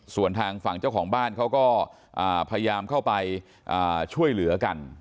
ส่วนทางฝั่งเจ้าของบ้านเขาก็พยายามเข้าไปช่วยเหลือกัน